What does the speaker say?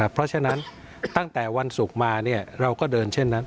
เพราะฉะนั้นตั้งแต่วันศุกร์มาเราก็เดินเช่นนั้น